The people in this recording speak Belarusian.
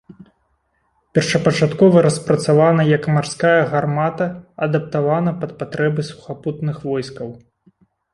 Першапачаткова распрацавана як марская гармата, адаптавана пад патрэбы сухапутных войскаў.